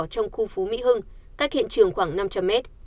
trong khu phú mỹ hưng cách hiện trường khoảng năm trăm linh mét